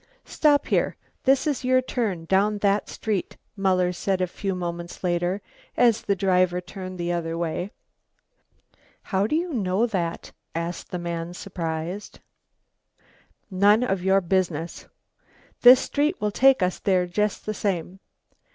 "Stop here, this is your turn, down that street," Muller said a few moments later, as the driver turned the other way. "How do you know that?" asked the man, surprised. "None of your business." "This street will take us there just the same."